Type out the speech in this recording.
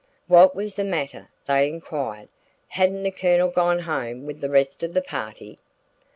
What was the matter? they inquired. Hadn't the Colonel gone home with the rest of the party?